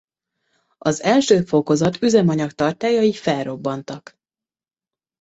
Az első fokozat üzemanyag tartályai felrobbantak.